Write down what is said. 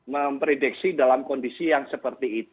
memprediksi dalam kondisi yang seperti itu